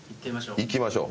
行きましょうか。